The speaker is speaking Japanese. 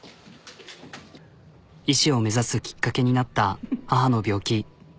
医師を目指すきっかけになった母の病気。